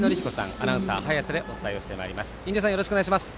アナウンサー早瀬でお伝えしてまいります。